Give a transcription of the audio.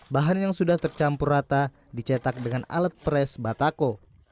bahan yang sudah tercampur rata dicetak dengan alat pres batako